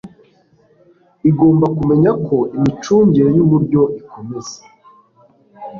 igomba kumenya ko imicungire y uburyo ikomeza